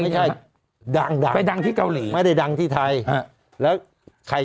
ดังดังไปดังที่เกาหลีไม่ได้ดังที่ไทยฮะแล้วใคร